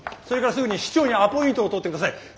それからすぐに市長にアポイントを取ってください。